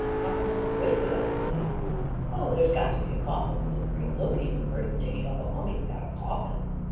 Coffins weren't wasted on slaves," 44 Oh, there's got to be a coffin !" said Creel. 44 Nobody ever heard of digging up a mummy with out a coffin